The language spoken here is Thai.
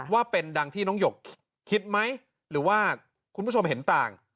ว่าเป็นดังที่น้องหยกคิดไหมหรือว่าคุณผู้ชมเห็นต่าง